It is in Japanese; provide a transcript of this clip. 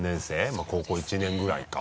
まぁ高校１年ぐらいか。